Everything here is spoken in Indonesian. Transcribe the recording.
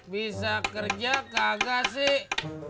bisa kerja kagak sih